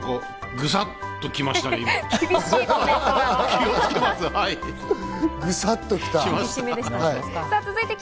グサっときましたね、今。